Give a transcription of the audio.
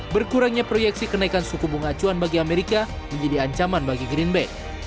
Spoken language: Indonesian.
berkurangnya proyeksi kenaikan suku bunga acuan bagi amerika menjadi ancaman bagi greenback